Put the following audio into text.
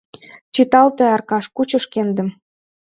— Чыталте, Аркаш, кучо шкендым.